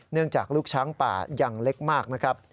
เนื่องจากลูกช้างป่าอย่างเล็กมาก